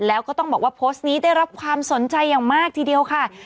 แล้วก็ต้องบอกว่าโพสต์นี้ได้รับความสนใจอย่างมากทีเดียวค่ะ